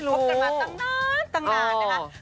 บกันมาตั้งนานตั้งนานนะคะ